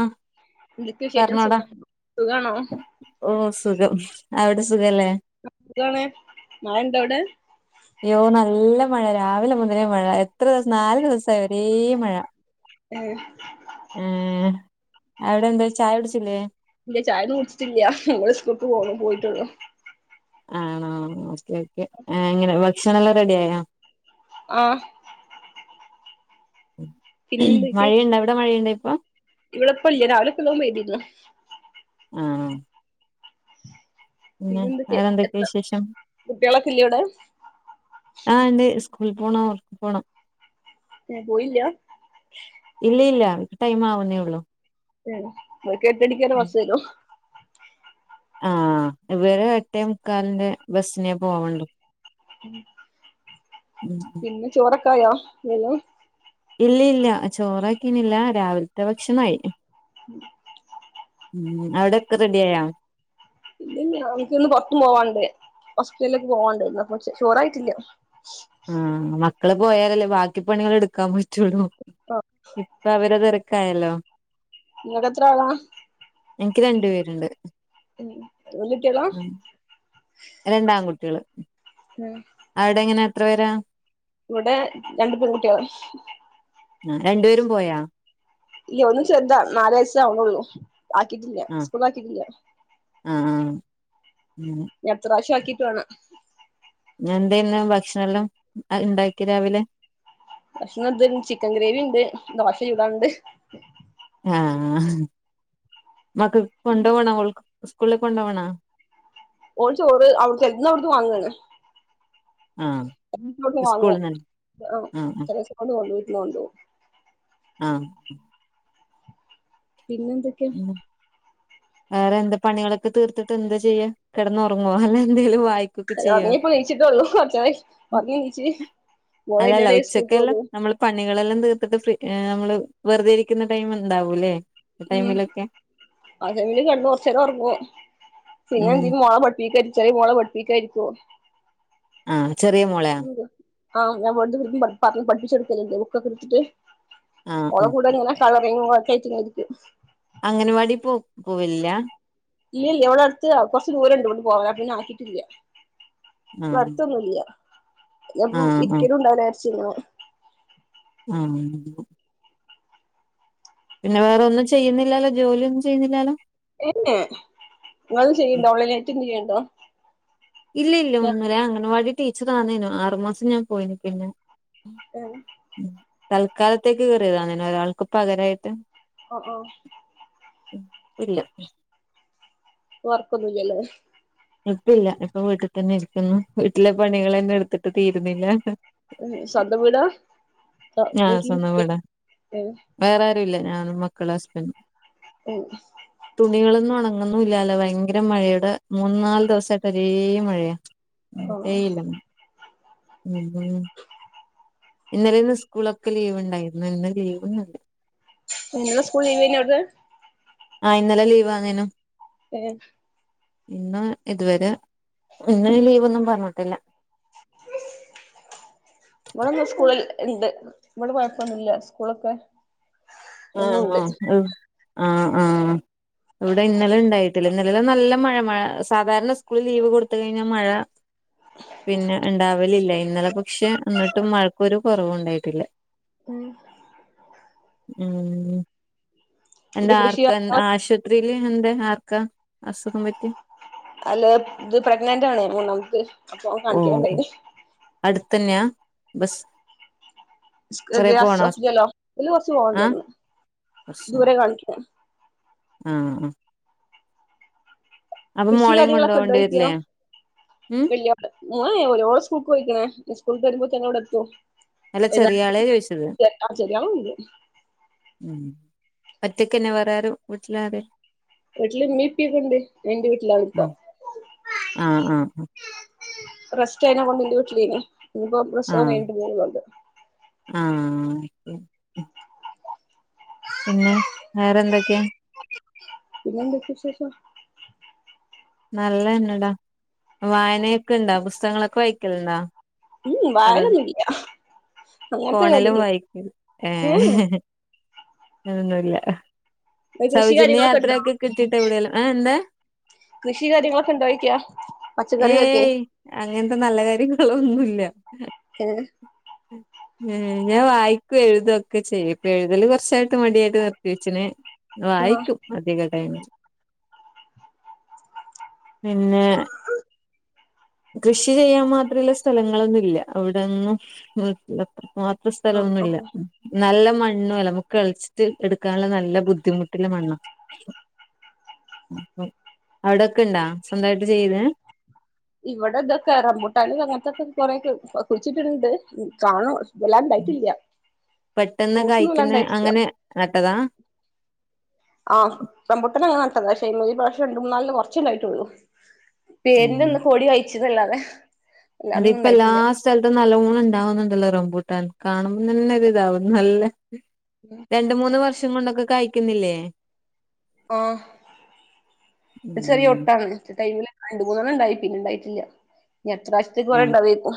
ആഹ് എ എന്തുക്കെ വിശേഷം സുഖാണോ? ഓഹ് സുഖം അവിടെ സുഖല്ലേ? സുഖമാണ് മൊൾ ണ്ട് അവിടെ? അയ്യോ നല്ല മഴ രാവിലെ മുതലേ മഴ എത്ര ദിവസം നാല് ദിവസായി ഒരേ മഴ ഏഹ്. ഏഹ് അയുടെ എന്താ ചായ കുട്ച്ചില്ലെ? ഇല്ല ചായൊന്നും കുട്ച്ച്ട്ട് ഇല്ല ഓൾ സ്കൂൾക്ക് പോണം പോയിട്ടൊള്ളു ആണോ? ഓക്കെ ഓക്കെ ഏഹ് എങ്ങനെ ഭക്ഷണം എല്ലാം റെഡി ആയോ? ആഹ് പിന്നെ മഴയിണ്ടോ? അവ്ടെ മഴയിണ്ടോ ഇപ്പം? ഇവെടെ ഇപ്പം ഇല്ല. രാവിലെ ഒക്കെ നല്ലോം പെയ്തിന്നു. ആണോ? പിന്നെ അയുടെ എന്തൊക്കെ വിശേഷം? കുട്ടികളൊക്കെ ഇല്ലേ അവിടെ ആഹ് ഇണ്ട് സ്കൂളി പോണം. അവർക്ക് പോണം. ഏഹ് പോയില്ലാ? ഇല്ലി ഇല്ലാ ടൈമ് ആവുന്നെ ഒള്ളു. ഉം ഇബെൽക്ക് എട്ട് മണിക്കെന്നെ ബസ് വെരും. ആഹ് ഇവെരും എട്ടേ മുക്കാലിന്റെ ബസിനെ പോവെണ്ടു ഉം ഉം പിന്നെ ചോറ് ഒക്കെ ആയോ? പിന്നെ ഇല്ലി ഇല്ലാ ചോറാക്കിനി ഇല്ലാ രാവിൽത്തെ ഭക്ഷണായി ഉം അയുടെ ഒക്കെ റെഡി ആയോ? ഇല്ലി ഇല്ലാ [unintelligible] ക്ക്‌ ഒന്ന് പൊർത്തും പോവാണ്ട് ഹോസ്പിറ്റലിലേക്ക് പോവാണ്ട് ഇന്നാ കൊർച്ച് ചോറായിട്ട് ഇല്ല. ആഹ് മക്കെൾ പോയാൽ അല്ലെ ബാക്കി പണികെൾ ഇട്ക്കാൻ പറ്റൊള്ളു ആഹ് ഇപ്പം അവരെ തെരക്ക് ആയല്ലോ ഇങ്ങെക്ക് എത്രാ ആളാ എനിക്ക് രണ്ട് പേര് ഇണ്ട്. ഉം വല്ല്യേ കുട്ട്യാളാ? രണ്ട് ആങ്കുട്ട്യാൾ ഉം അയുടെ എങ്ങനെ എത്ര പേരാ? ഇവടെ രണ്ട് പെങ്കുട്ട്യാൾ. ആഹ് രണ്ടുപേരും പോയാ ഇല്ല ഒന്ന് ചെർതാ നാല് വയസ് ആവ്നൊള്ളു ആക്കിറ്റ് ഇല്ല. ആഹ് സ്കൂൾ ആക്കിറ്റ് ഇല്ല. ആഹ് ആഹ് അങ്ങനെ ഇഞ്ഞ് അട്ത്ത പ്രാവ്ശ്യം ആക്കീട്ട് വാണം. ഇന്ന് എന്തെയ്ന്ന് ഭക്ഷണം എല്ലാം ഇണ്ടാക്കെയ് രാവിലെ? ഭക്ഷണം ത്തിൻ ചിക്കെൻ ഗ്രേവിണ്ട്. ദോശ ചുടാണ്ട്. ആഹ് മക്കക്ക്‌ കൊണ്ടോ വണോ? ഓൾക്ക്‌ സ്കൂളിലെക്ക്‌ കൊണ്ടോ വണോ? ഓള് ചോറ് ഔട്ത്തെ ഇന്ന് ഔട്ന്ന് വാങ്ങാണ്. ആഹ് [unintelligible] ഔട്ന്ന് വാങ്ങും. സ്കൂളിന്ന് [unintelligible] ആഹ് ആഹ് ചെലെ ദിവ്സം [unintelligible] ആഹ് പിന്നെ എന്ത് പിന്നെ വേറെ എന്താ പണികളൊക്കെ തീർത്ത്ട്ട് എന്താ ചെയ്യാ. കെടന്ന് ഒർങ്ങോ അല്ല എന്തെലും വായി അല്ല ഒർങ്ങി ഇപ്പ നീച്ച്ട്ടൊള്ളു. കോർചെരായി ഒർങ്ങി നീച്ച് മോൾ അയിന്റെ അല്ലല്ല എടെൽ സ്കൂൾ വിട്ട് ഉച്ചക്കെല്ലാം വന്നു. നമ്മള് പണികളെല്ലാം തീർത്ത്ട്ട് ഫ്രീ നമ്മള് വെർതെ ഇരിക്ക്‌ന്ന ടൈമ് ഇണ്ടാവുലെ ആ ഉം ടൈമിലൊക്കെ ആ ടൈമില് കെട്ന്ന് കൊർച്ചെരം ഒർങ്ങും. പിന്നെ ഉം എന്തെലും മോളെ പഠിപ്പിക്കാന് ചെറെ മോളെ പഠി പ്പിക്കാൻ ഇര്ക്കും. ആഹ് ചെറെ മോളെ? ആഹ് ഞാ ഇബെട്ന്ന് പർണ് പഠിപ്പിച്ചോട്ക്കെൽ ഇണ്ട് ബുക്കൊക്കെ ഇട്ത്ത്ട്ട്. ആ ആ ഓളെ കൂടെ ഉങ്ങനെ കളറിങ്ങും ഒക്കെ ആയിട്ട് ഇങ്ങനെ ഇര്ക്കും. അങ്ങനവാടി പോ പോവെൽ ഇല്ലാ ഇല്ലല്ല ഇവടട്ത്ത് കൊർച്ച് ദൂരണ്ട് ഇവ്ട്ന്ന് പോവാൻ അപ്പ പിന്നെ ആക്കിയിറ്റില്ല. ആ ഇവടെ അട്ത്തൊന്നൂല. അപ്പ ആ പിന്നെ ആ ഇര്ക്കലൂണ്ടാവൂല വിചാരിച്ച ങ്ങനെ ഉം പിന്നെ വേറൊന്നും ചെയ്യുന്നില്ലാലോ ജോലിയൊന്നും ചെയ്യുന്നില്ലാലോ ഇങ്ങളെന്തേലും ചെയ്യല്ണ്ടോ ഓൺലൈനായിട്ട് എന്തേലും ചെയ്യല്ണ്ടോ ഇല്ല ഇല്ല ഒന്നൂല്ല ഞാൻ അങ്ങനവാടി ടീച്ചർ ആന്നേനു ആറുമാസം ഞാൻ പോയീന്നു. പിന്നെ ക്കായി തൽക്കാലത്തേക്ക് കേറ്യേതാ അങ്ങനെ ഒരാൾക്ക് പകരായ്ട്ട് ഒ ഓ ഇല്ല വർക്കൊന്നൂല്ലലെ പ്പില്ല ഇപ്പൊ വീട്ടിതന്നെ ഇരിക്കുന് വീട്ടിലെ പണികൾന്നെ എടുത്തിട്ട് തീരുന്നില്ല സ്വന്തം വീടാ ആ വീട്ടില് സ്വന്തം വീടാ ഇപ്പ ഏഹ് വേറെ ആരുല്ല ഞാനും മക്കളും ഹസ്ബൻഡും എ തുണികളൊന്നും ഉണങ്ങുന്നുല്ലാലോ ഭയങ്കര മഴയുടെ മൂന് നാല് ദിവസായിട്ട് ഒരേ മഴയാ ആഹ് ഏയിലം മ്മ് മ്മ് ഇന്നലെ ന്നൊക്കെ സ്കൂളൊക്കെ ലീവ് ഉണ്ടായിരുന്നു ഇന്ന് ലീവൊന്നുല്ല. ഇന്നലെ സ്കൂൾ ലീവ് ആയിന്നു അത് ആഹ് ഇന്നലെ ലീവ് ആന്നേനും ഏഹ് ഇന്ന് ഇതുവരെ ഇന്ന് ലീവൊന്നും പറഞ്ട്ടില്ല ഉ [unintelligible] ഇവിടന് സ്കൂള് ഇണ്ട് ഇവിടെ കുഴപ്പൊന്നുല്ല സ്കൂളൊക്കെ ആഹ് എന്നുണ്ട് ആഹ് ആഹ് ആഹ് ഇവിടെ ഇന്നലെ ണ്ടായി ഇന്നലെല്ലം നല്ല മഴ മഴ സാധാരണ സ്കൂളിൽ ലീവ് കൊടുത്ത് കഴിഞ്ഞാ മഴ പിന്നെ ണ്ടാവലില്ല ഇന്നലെ പക്ഷെ എന്നിട്ടും മഴക്കൊരു കോറവും ഉണ്ടായിട്ടില്ല ഉം മ്മ് എന്റെ പിന്നെ കൃഷി ആർക്കൻ ആശ് ആശുപത്രില് ഇണ്ട് ആർക്കാ അസുഖം പറ്റിയെ അല്ല ഇത് പ്രഗ്നന്റ് ആണേ മൂന്നാമത്തെ അപ്പൊ കാണിക്കാൻ ണ്ടായിനി അടുത്തന്നയാ ബസ് കൊറെ പോണോ ഹോസ്പിറ്റലോ ന്ന് കോറച്ച് പോകണ്ട് ആ തോനണ് ദൂരെ കാണിക്ക്ണെ ആഹ് ആഹ് അപ്പൊ കൃഷി മോളെയും കാര്യങ്ങളൊക്കെ കൊണ്ടുപോകേണ്ടി ഉണ്ടോയി ക്കിയാ വരില്ലേ ഉം ഇല്യ ഓൻ സ്കൂൾക്ക് പോയിക്കണ് സ്കൂൾട്ട് വരുമ്പോത്തിനു ഇവടെ എത്തും അല്ല ചെറിയ ആളെ ചോദിച്ചത് [unintelligible] ആഹ് ചെറിയാളുണ്ട് ഒറ്റക്കന്ന വേറാരും വീട്ടില് ആരെ വീട്ടില് മ്മിപ്പക്കണ്ട് ഞാൻ ന്റെ ആ വീട്ടിലാണ്പ്പോ ആ ആ റെസ്റ്റ് അയിനകൊണ്ട് ന്റെ വീട്ടിലായിനി ഇനിപ്പോ പ്രസവം കഴിഞ്ഞിട്ട് പോന്നോള്ളൂ ആണ്ട് ആഹ് [unintelligible] പിന്നെ വേറെന്തൊക്കെ പിന്നന്തൊക്കെ വിശേഷം നല്ലന്നടാ വായന യൊക്കെ ഇണ്ടാ പുസ്തകങ്ങളൊക്കെ വായിക്കലുണ്ടോ ളം അതോ വായനൊന്നുല്ലാ ഫോണിലും വായിക്ക ഏഹ് ഒന്നുല്ല കൃഷി സൗജന്യ കാര്യങ്ങളൊക്കെ ഉണ്ടോ യാത്രയൊക്കെ കിട്ടിട്ട് എവിടെലും ഏ എന്താ കൃഷി കാര്യങ്ങളൊക്കെ ഇണ്ടോ യിക്ക ഏയ് അങ്ങനത്തെ നല്ല കാര്യങ്ങളൊന്നുല്ല ഹെ ഞാൻ വായിക്കും എഴുതൊക്കെ ചെയ്യും ഇപ്പൊ എഴുതല് കൊർച്ചായിട്ട് മടിയായിട്ട് നിർത്തി വെച്ച്ണ് ആഹ് വായിക്കും അധിക ടൈമില് പിന്നെ കൃഷി ചെയ്യാൻ മാത്രള്ള സ്ഥലങ്ങളൊന്നുല്ല അവിടെന്നും മാത്ര സ്ഥലൊന്നുല്ല നല്ല മണ്ണു അല്ല നമുക്ക് കെളച്ചിട്ട് എടുക്കാനുള്ള നല്ല ബുദ്ധിമുട്ടുള്ള മണ്ണാ അവിടൊക്ക ഇണ്ടാ സ്വന്തായിട്ട് ചെയ്തെ ഇവിടെ ഇതൊക്കെ റംബൂട്ടാന് അങ്ങത്തൊക്ക കൊറെക്കെ കുഴിച്ചിട്ടുണ്ട് കാണും വെല്ലാം ണ്ടായിട്ടില്ല പെട്ടെന്ന് ഫ്രൂട്ട്സ്ന്നും കായ്ക്കുന്ന വല്ലാണ്ടായിട്ടില്ല. അങ്ങനെ നട്ടതാ? ആഹ് റംബൂട്ടാൻ അങ്ങനെ നട്ടതാ ശേ അയ്മല് ഈ പ്രാവശ്യം രണ്ട് മൂന്നാൽണ്ണം കൊർച്ചേ ഇണ്ടായിട്ടുള്ളൂ. പേരിനൊന്ന് ഉം ഒന്ന് കോഴി കഴ്ച്ചുന്നല്ലാതെ. അത് ഇപ്പല്ലാ സ് ൽത്തും നല്ലോണം ഇണ്ടാവുന്നുണ്ടല്ലോ റംബൂട്ടാൻ കാണുമ്പോ തന്നെ ഒരു ഇതാവും നല്ല. ഉം രണ്ട് മൂന്ന് വർഷം കൊണ്ടൊക്കെ കായിക്കുന്നില്ലേ? ആഹ് ചെറിയ ഉം ഒട്ടാണ് ടൈമില് രണ്ട് മൂന്നെണ്ണം ഇണ്ടായി പിന്നെ ഇണ്ടായിട്ടില്ല ഇനി അട്ത്രാവശ്യത്തേക്ക് കൊറെ ഇണ്ടാവേക്കും.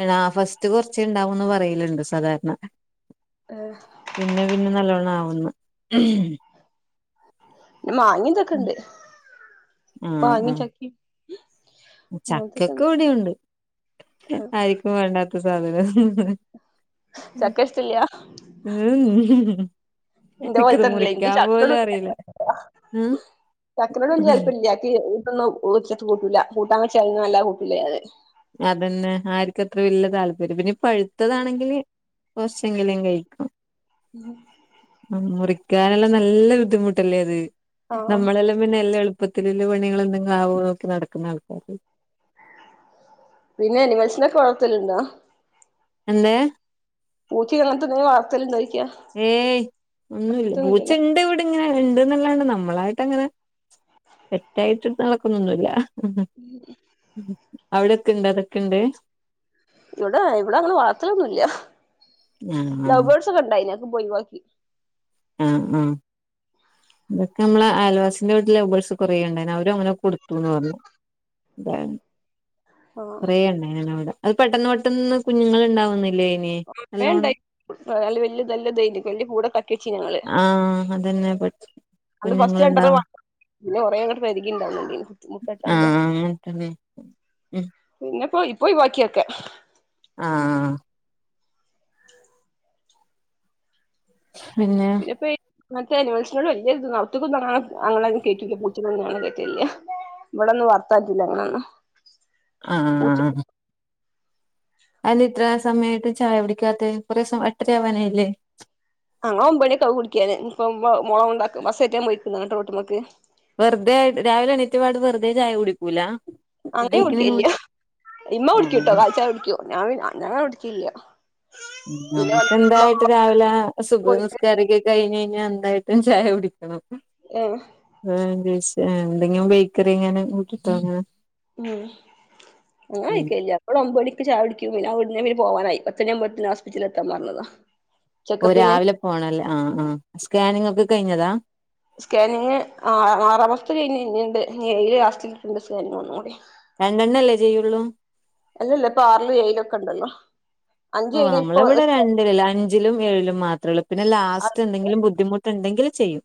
ത്ത ഫസ്റ്റ് കൊർച്ചേണ്ടാവുന്ന് പറയല്ണ്ട് സാധാരണ. അ പിന്നെ പിന്നെ നല്ലോണ്ണം ആവുന്ന് ന്നെ മാങ്ങിം തൊക്കെണ്ട് ആഹ് മാങ്ങിം ആഹ് ചക്കിം ചക്കൊക്കെ ഇവിടെയുണ്ട് ആരിക്കും വേണ്ടാത്ത സാധനം. ചക്ക ഇഷ്ടല്ല ഉം ഇന്റെ എനിക്കത് പോലെത്തന്നല്ലേ ഇൻക്ക് മുറിക്കാൻ പോലും അറിയില്ല ചക്കനോട്‌ വെല്യ തല്പ്പര്യല്ല [unintelligible] കൂട്ടൂല്ല കൂട്ടാൻ വെച്ചാലൊന്നും വെല്ലാ കൂട്ടൂല ഞാന് അതന്നെ ആർക്കും അത്ര വല്യ താല്പര്യം പിന്നെ പഴുത്തതാണെങ്കില്. കൊർച്ചെങ്കിലും കഴിക്കും. ഉം മുറിക്കാനെല്ലാം നല്ല ബുദ്ധിമുട്ടല്ലേ അത് ആഹ് നമ്മളെല്ലാം. പിന്നെ എല്ലാം എള്പ്പത്തില് ല്ല പണികള് എന്തങ്കും ആവോ നോക്കി നടക്കുന്ന ആൾക്കാര്. പിന്നെ അനിമൽസിനൊക്കെ വളർത്തല്ണ്ടോ? എന്ത്? പൂച്ചെ അങ്ങൻത്തെ എന്തേം വളർത്തല് ഉണ്ടോയ്ക്കാ? ഏയ് ഒന്നുല്ല പൂച്ച ഇണ്ട് ഇവിടെ. നെ ഇണ്ട്ന്നല്ലാണ്ട് നമ്മളായിട്ട് അങ്ങനെ പെറ്റായിട്ട് നടക്കുന്നൊന്നുല്ല. ഉം അവിടൊക്കെ ഇണ്ട് അതൊക്കെ ഇണ്ട്. ഇവിടെ ഇവിടെ അങ്ങനെ വളർത്ത ലൊന്നുല്ല. ആഹ് ആഹ് ലൗബേഡ്സ് ഒക്കെ ഇണ്ടായിനി അതൊക്കെ ഒഴിവാക്കി. ഉം ഉം തൊക്കെ നമ്മളെ അയൽവാസിന്റെ വീട്ടില് ലൗ ബേഡ്സ് കൊറേണ്ടായിനി അവരും അങ്ങനെ കൊടുത്തുന്ന് പർഞ്ഞു. അതാണ് ആഹ് കൊറെ ഇണ്ടായിനി അവിടെ അത് പെട്ടന്ന് പെട്ടന്ന് കുഞ്ഞുങ്ങള് ഇണ്ടാവുന്നില്ലേ? അയിന് നല്ലോണം കൊറേണ്ടായ് [unintelligible] ക്കച്ചി ഞങ്ങള് ആഹ് അതന്നെ അന്ന് കുഞ്ഞുങ്ങൾ ഫസ്റ്റ് ഇണ്ടാവ രണ്ടണ്ണം പിന്നെ കൊറേ അങ്ങട്ട് പെരികിണ്ടാവ് ണണ്ടീനി മുട്ടട്ടാണ്ട്. ആഹ് അങ്ങനത്തന്നെ ഉം പിന്നെപ്പോ ഇപ്പോ ഒയിവാക്കിയൊക്കെ. ആഹ് പിന്നെ. ഇപ്പെ ഇങ്ങത്തെ അനിമൽസിനോട് വല്ല്യ [unintelligible] എന്താ ചെയ്യാ ഇവ്ടെ വളർത്താട്ടൂല അതൊന്നു. ആഹ്. അതില ഇത്ര സമയമായിട്ട് ചായ കുടിക്കാത്ത കുറെ എട്ടരയാവാനായില്ലേ? ഞങ്ങള് ഒൻപതണിയൊക്കാവും കുടിക്കാന് ഇനിയിപ്പോ മോളെ കൊണ്ടാക്കാൻ ബസ് കയറ്റാൻ പൊയിക്ക്ണ് അങ്ങട്ട് റോട്ടുമക്ക്. വെറുതെ രാവിലെ എണിറ്റപാട് വെറുതെ ചായ കുടിക്കൂല? ഫുഡ് അങ്ങനെ കഴിക്കുന്നതിന് മുൻ കുടിക്കെല്യ ഇമ്മ കുടുക്കിട്ടോ ആഹ് കാലിചായ കുടിക്കും ഞാൻ ഞാൻ കുടിക്കില്ല. ഉ നമ്മുക്ക് പിന്നെ എന്തായിട്ട് രാവിലെ സുബ്ഹ്‌ നി പോയിട്ട് കാറൊകെ കഴിഞ്ഞ് കഴിഞാ എന്തായിട്ടും ചായ കുടിക്കണം. ഏ ഏ ഇംഗ്ലീഷ് ഏ എന്തെങ്കിലും ബേക്കറിങ്ങനെ കൂട്ടിട്ടോ ഇങ്ങനെ ഉം ഞങ്ങ ഉം ആയിക്കല്ല അവടെ ഒമ്പണക്ക് ചായ കുടിക്കു പിന്നെ അവിടെന്ന് പോവാനയി പത്തണിമ്പോത്തന് ഹസ്പിറ്റലിൽത്താൻ പറഞ്ഞതാ ഓ ചെക്കപ്പിന് രാവിലെ പോണല്ലേ ആഹ ആ് സ്കാനിങ് ഒക്കെ കഴിഞ്ഞതാ സ്കാനിങ് ആ ആറാ മാസത്തെത്ത് കഴിഞ്ഞ്ന്നെയുണ്ട് ഇയിയില് ലാസ്റ്റിലിട്ടുണ്ട് സ്കാനിങ് ഒന്നും കൂടി രണ്ടെണ്ണ അല്ലേ ചെയ്യുള്ളൂ അല്ലല്ല ഇപ്പ ആറിലും ഏയിലൊ ഒക്കെ ഉണ്ടല്ലോ അഞ്ച് ഓ കഴിഞ്ഞ് ഇപ്പൊ നമ്മള ഇവിടെ രൺ അഞ്ചിലും ഏഴിലും മാത്രേ ഉള്ളൂ പിന്നെ ലാസ്റ്റ് എന്തെങ്കിലും ബുദ്ധിമുട്ട് ഇണ്ടെങ്കിൽ ചെയ്യും.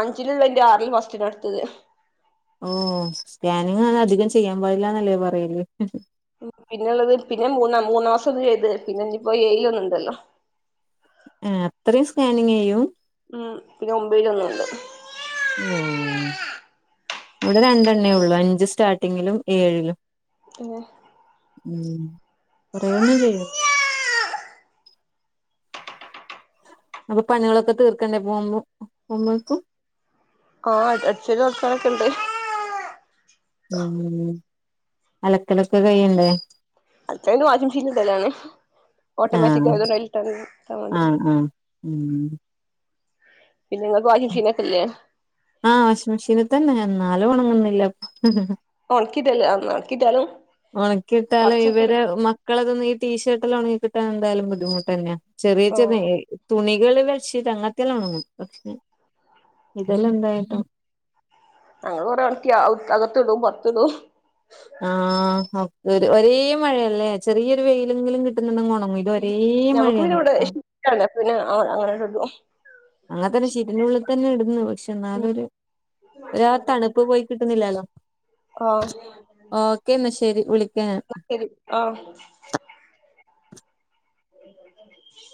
അഞ്ചിലുള്ളത് ന്റെ അറില് ഫസ്റ്റിലാ ഇടുത്തത്. ഓ സ്കാനിങ് അധികം ചെയ്യാൻ പാടില്ലന്നല്ലേ പറയല് ഉ പിന്നുള്ളത് പിന്നെ മൂന്നാ മൂന്നാ മാസം ഒന്ന ചെയ്തത് പിന്നെ ഇപ്പോ എയില ഒന്നുണ്ടല്ലോ ആ അത്രയും സ്കാനിങ്യ്യു ഉം പിന്നെ ഒമ്പലൊന്നുണ്ട് ഓ ഇവിടെ രണ്ടെണ്ണയേള്ളൂ അഞ്ച് സ്റ്റാർട്ടിങ്ങിലും ഏഴിലും ഓ ഉം കൊറെന്നും ചെയ്യോ അപ്പൊ പണികളൊക്കെ തീർക്കണ്ടേ പോകുമ്പ പോകുമ്പഴേക്കും ആഹ അടിചേരി തൊടിക്കാനൊക്കേണ്ട് ഉം അലക്കലൊക്കെ കൈയണ്ടേ അലക്കണവാഷി മെഷീൻലാണ് ഓട്ടോമാറ്റി ആഹ് ആയതൊണ്ട് അതിലിട്ടാ ആ മതി ആഹ് ആഹ് ഉം പിന്നെ ങ്ങക്ക് വാങ്ങ ചെയീനക്കല്ലേ ആഹ വാഷിംഗ് മെഷീനിൽ തന്നെ എന്നാലും ഉണങ്ങുന്നില്ല ഉണക്കിടല്ലേ ഒണക്കിതാലും ഉണക്കിയിട്ടാലും ഇവര് മക്കളെതൊന്ന് ഈ ടീഷർട്ടല്ലാം ഉണങ്ങി കിട്ടാൻ എന്തായാലും ബുദ്ധിമുട്ടന്നെയാ ചെറിതേ ആഹ് ഏ തുണികള് ബഡ്ഷീറ്റ് അങ്ങത്തെല്ലണങ്ങും പക്ഷെ ഇതെല്ലാം എന്തായിട്ടും ഞങ്ങള്കൊറെ ഒണക്കി അകത്തിടും പുറത്തിടും ആ ഓ ഒരേ മഴയല്ലേ ചെറിയൊരു വെയിലെങ്കിലും കിട്ടുന്നുണ്ടെങ്കിൽ ഉണങ്ങ ഇത് ഒരേ മഴയാണ് നിർത്താ ല്ല പിന്നെ അങ്ങനെള്ള അങ്ങനത്തന്നെ ഷീറ്റ്ന്റെ ഉള്ളിതന്നെ ഇടന്ന് പക്ഷെ എന്നാലൊരു ഒരാ തണുപ്പ് പോയി കിട്ടുന്നില്ലല്ലോ ആഹ്‌. ഓക്കേ എന്നാ ശെരി വിളിക്കാ ശരി ആഹ [unintelligible]